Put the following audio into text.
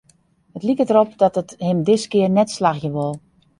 It liket derop dat it him diskear net slagje wol.